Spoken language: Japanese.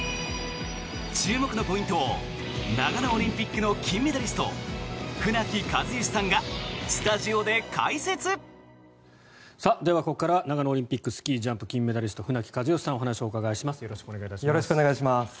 注目のポイントを長野オリンピックの金メダリスト船木和喜さんがスタジオで解説！ではここから長野オリンピックスキージャンプ金メダリスト船木和喜さんにお話をお伺いします。